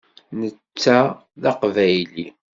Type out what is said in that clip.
Netta d aqbayli.